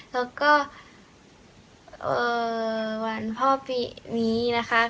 แล้วก็วันพ่อปีนี้นะคะ